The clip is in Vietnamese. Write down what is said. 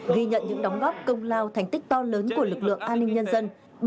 ghi nhận những đóng góp công lao thành tích to lớn của lực lượng an ninh nhân dân